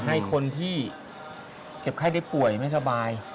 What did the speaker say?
ให้คนที่เจ็บไข้ได้ป่วยไม่สบาย